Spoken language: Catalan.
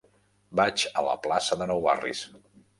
Vaig a la plaça de Nou Barris.